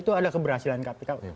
itu ada keberhasilan kpk